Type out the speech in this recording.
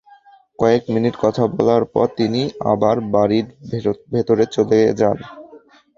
কয়েক মিনিট কথা বলার পর তিনি আবার বাড়ির ভেতরে চলে যান।